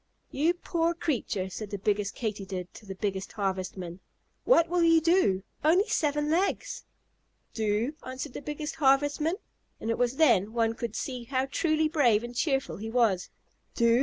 "You poor creature!" said the biggest Katydid to the biggest Harvestman. "What will you do? Only seven legs!" "Do?" answered the biggest Harvestman, and it was then one could see how truly brave and cheerful he was. "Do?